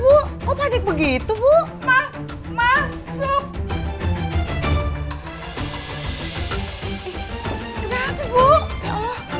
menurutmu itu lebih baik secara terbiasa